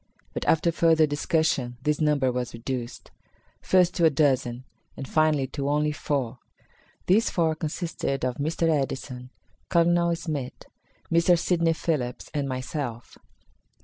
But, after further discussion, this number was reduced; first to a dozen, and finally, to only four. These four consisted of Mr. Edison, Colonel Smith, Mr. Sidney Phillips and myself.